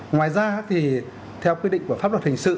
ngoài ra thì theo quy định của pháp luật hình sự